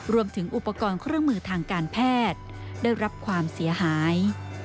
รวมถึงอุปกรณ์เครื่องมือทางการแพทย์ได้รับความเสียหาย